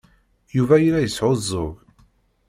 Yuba yella yesɛuẓẓug.